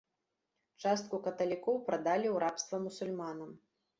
Частку каталікоў прадалі ў рабства мусульманам.